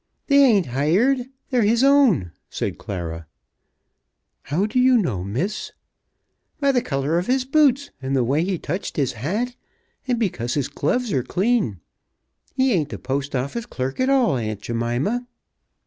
"They aint hired. They're his own," said Clara. "How do you know, Miss?" "By the colour of his boots, and the way he touched his hat, and because his gloves are clean. He aint a Post Office clerk at all, Aunt Jemima."